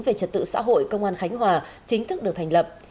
về trật tự xã hội công an khánh hòa chính thức được thành lập